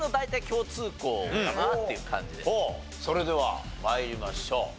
それでは参りましょう。